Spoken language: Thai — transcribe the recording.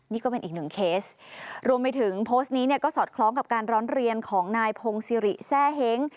นี่ก็เป็นอีกหนึ่งเคสรวมไปถึงโพสต์นี้เนี่ยก็สอดคล้องกับการร้องเรียนของนายพงศิริแซ่เฮ้ง